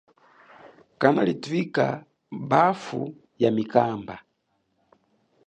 Kanali thwika bafu ya mikamba.